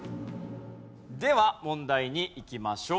では問題にいきましょう。